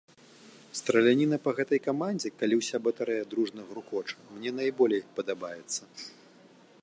Страляніна па гэтай камандзе, калі ўся батарэя дружна грукоча, мне найболей падабаецца.